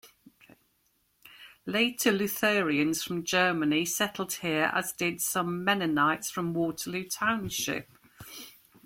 Later, Lutherans from Germany settled here as did some Mennonites from Waterloo Township.